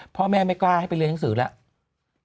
พ่อแม่ไม่กล้าให้ไปเรียนหนังสือแล้ว